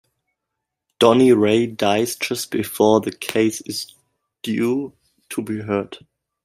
Donny Ray dies just before the case is due to be heard.